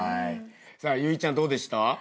さあ有以ちゃんどうでした？